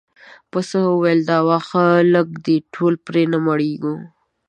پسه وویل دا واښه لږ دي ټول پرې نه مړیږو.